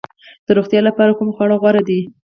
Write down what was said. د روغتیا لپاره کوم خواړه غوره دي؟